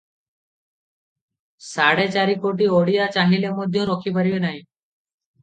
ସାଢ଼େ ଚାରିକୋଟି ଓଡ଼ିଆ ଚାହିଁଲେ ମଧ୍ୟ ରୋକିପାରିବେ ନାହିଁ ।